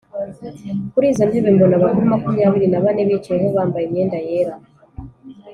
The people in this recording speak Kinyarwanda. Kuri izo ntebe mbona abakuru makumyabiri na bane bicayeho bambaye imyenda yera,